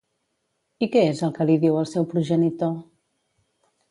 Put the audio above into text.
I què és el que li diu al seu progenitor?